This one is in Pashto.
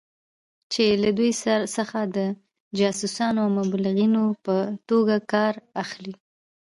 چې له دوی څخه د جاسوسانو او مبلغینو په توګه کار اخلي.